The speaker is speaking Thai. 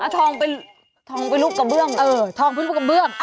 ทองเป็นลูกเกมื้อง